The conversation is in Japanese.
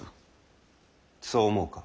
そう思うか？